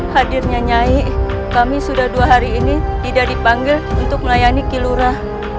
hadirnya nyai kami sudah dua hari ini tidak dipanggil untuk melayani kilora